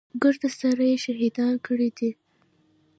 ګرد سره يې شهيدان کړي دي.